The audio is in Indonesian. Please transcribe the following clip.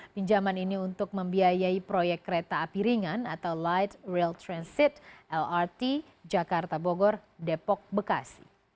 pinjaman ini untuk membiayai proyek kereta api ringan atau light rail transit lrt jakarta bogor depok bekasi